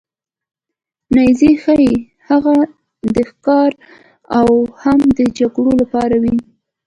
نیزې ښايي هم د ښکار او هم د جګړو لپاره وې.